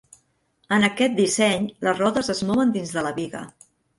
En aquest disseny les rodes es mouen dins de la biga.